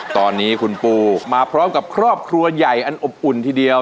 ตอนนี้คุณปูมาพร้อมกับครอบครัวใหญ่อันอบอุ่นทีเดียว